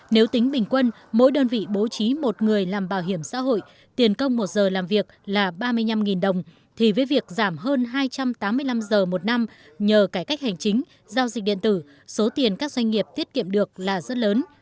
nếu tính bình quân mỗi đơn vị bố trí một người làm bảo hiểm xã hội tiền công một giờ làm việc là ba mươi năm đồng thì với việc giảm hơn hai trăm tám mươi năm giờ một năm nhờ cải cách hành chính giao dịch điện tử số tiền các doanh nghiệp tiết kiệm được là rất lớn